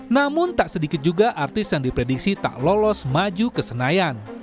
namun tak sedikit juga artis yang diprediksi tak lolos maju ke senayan